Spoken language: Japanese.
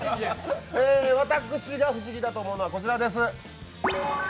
私が不思議だと思うのは、こちらです。